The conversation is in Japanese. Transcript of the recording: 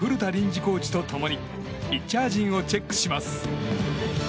コーチと共にピッチャー陣をチェックします。